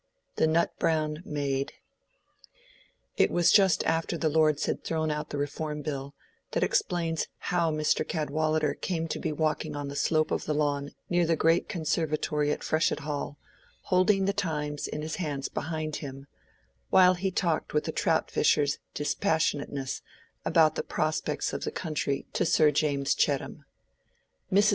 —The Not Browne Mayde. It was just after the Lords had thrown out the Reform Bill: that explains how Mr. Cadwallader came to be walking on the slope of the lawn near the great conservatory at Freshitt Hall, holding the "Times" in his hands behind him, while he talked with a trout fisher's dispassionateness about the prospects of the country to Sir James Chettam. Mrs.